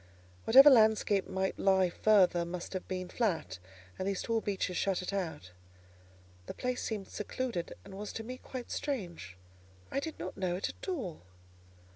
Whatever landscape might lie further must have been flat, and these tall beeches shut it out. The place seemed secluded, and was to me quite strange: I did not know it at all.